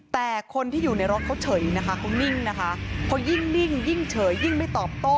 แต่คนที่อยู่ในรถเขาเฉยนะคะเขานิ่งนะคะเขายิ่งนิ่งยิ่งเฉยยิ่งไม่ตอบโต้